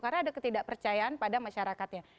karena ada ketidakpercayaan pada masyarakatnya